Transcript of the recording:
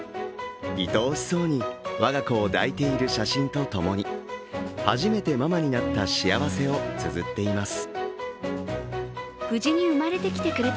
愛おしそうに我が子を抱いている写真と共に初めてママになった幸せをつづっています。